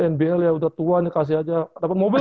nbl ya udah tua nih kasih aja dapet mobil